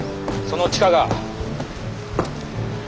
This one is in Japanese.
その地下が。